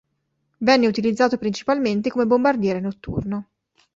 Venne utilizzato principalmente come bombardiere notturno.